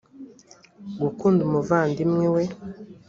gukunda umuvandimwe we